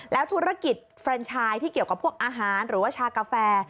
แล้วธุรกิจเฟรนชายที่เกี่ยวกับพวกอาหารหรือว่าชากาแฟ